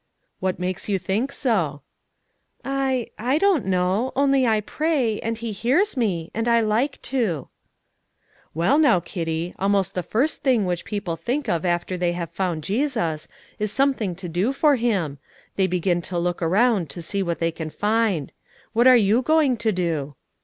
"What makes you think so?" "I I don't know; only I pray, and He hears me, and I like to." "Well, now, Kitty, almost the first thing which people think of after they have found Jesus, is something to do for Him; they begin to look around to see what they can find. What are you going to do?"